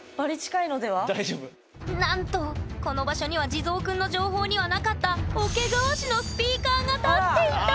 なんとこの場所には地蔵くんの情報にはなかった桶川市のスピーカーが立っていた！